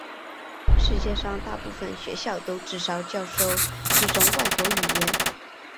世界上大部分学校都至少教授一种外国语言。